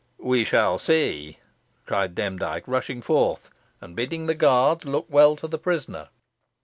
"We shall see," cried Demdike, rushing forth, and bidding the guards look well to the prisoner.